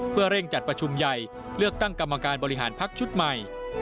เพื่อเร่งจัดประชุมใหญ่เลือกตั้งกรรมการบริหารพักชุดใหม่